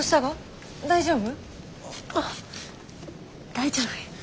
大丈夫や。